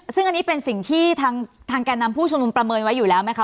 ซึ่งอันนี้เป็นสิ่งที่ทางแก่นำผู้ชมนุมประเมินไว้อยู่แล้วไหมคะ